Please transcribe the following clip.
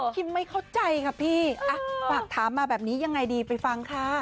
ไม่เข้าใจค่ะพี่ฝากถามมาแบบนี้ยังไงดีไปฟังค่ะ